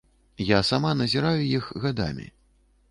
Я сама назіраю іх гадамі.